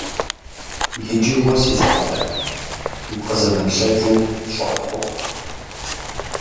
Иджы уэ, си щӀалэ, укъызэмыплъэкӀыу щӀэпхъуэ.